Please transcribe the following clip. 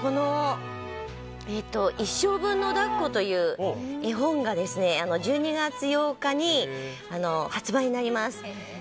「一生ぶんのだっこ」という絵本が１２月８日に発売になります。